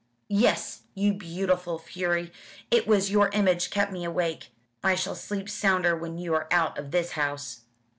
"Yes you beautiful fury. It was your image kept me awake. I shall sleep sounder when you are out of this house."